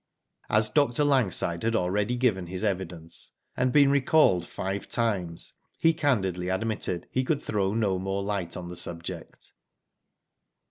As Dr. Langside had already given his evidence and been recalled five times, he candidly admitted he could throw no more light on the subject.